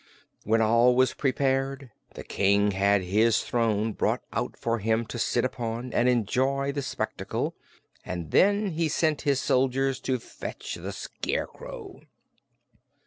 When all was prepared, the King had his throne brought out for him to sit upon and enjoy the spectacle, and then he sent his soldiers to fetch the Scarecrow.